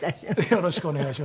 よろしくお願いします。